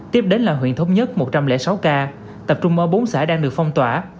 tiếp đến là huyện thống nhất một trăm linh sáu ca tập trung ở bốn xã đang được phong tỏa